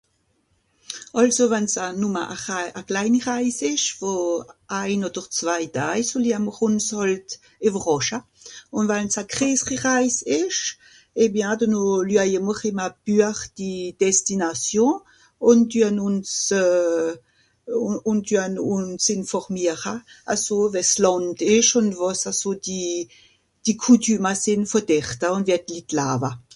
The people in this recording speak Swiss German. àlso wann's a nùmme a ra a kleini reise esch wo ein oder zwai dai so lie mr uns hàlt ìwerràsche ùn wann's a greeseri reis esch eh bien denno löje mr ìm a buach die destinations ùn tuen ùns euh ùn tuen ùns ìnformiere eso we s lànd esch ùn wàs eso die coutume sìn vo derte ùn wie d'litt d'laawa